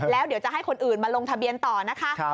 แล้วเดี๋ยวจะให้คนอื่นมาลงทะเบียนต่อนะคะ